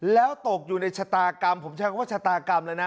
แล้วตกอยู่ในชะตากรรมผมใช้คำว่าชะตากรรมแล้วนะ